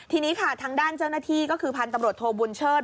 ทีนี้ค่ะทางด้านเจ้าหน้าที่ก็คือพันธุ์ตำรวจโทบุญเชิด